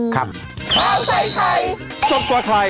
ข้าวไทยไทยสดกว่าไทยใหม่กว่าเดิม